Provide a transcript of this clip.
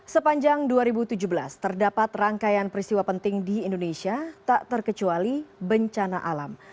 sepanjang dua ribu tujuh belas terdapat rangkaian peristiwa penting di indonesia tak terkecuali bencana alam